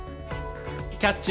「『キャッチ！